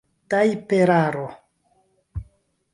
tajperaro